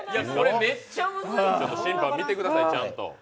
審判、見てください、ちゃんと。